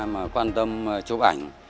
mà quan tâm chụp ảnh